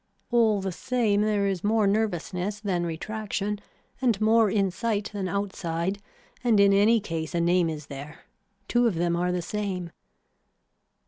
All the same there is more nervousness than retraction and more in sight than outside and in any case a name is there. Two of them are the same.